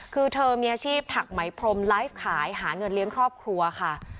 คือเธอมีอาชีพถักไหมพรมไลฟ์ขายหาเงินเลี้ยงครอบครัวค่ะ